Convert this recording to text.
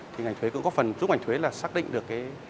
thì ngành thuế cũng có phần giúp ngành thuế là xác định được cái